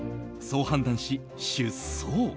そう判断し、出走。